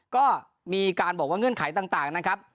ก็มีการบอกว่าเงื่อนไขต่างนะครับ